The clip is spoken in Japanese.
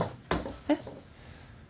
えっ？